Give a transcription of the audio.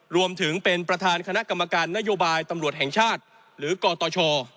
รวมถึงเป็นประธานคณะกรรมการนโยบายตำรวจแห่งชาติหรือกตช